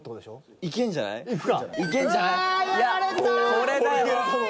これだよ。